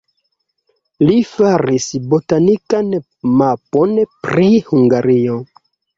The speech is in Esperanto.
Li faris botanikan mapon pri Hungario.